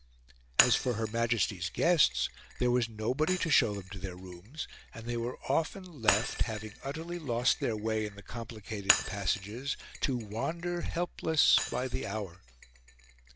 As for Her Majesty's guests, there was nobody to show them to their rooms, and they were often left, having utterly lost their way in the complicated passages, to wander helpless by the hour.